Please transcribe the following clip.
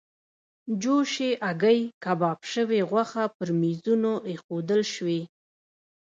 جوشې هګۍ، کباب شوې غوښه پر میزونو ایښودل شوې.